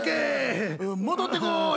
戻ってこい。